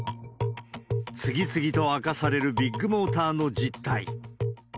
次々と明かされるビッグモーターの実態。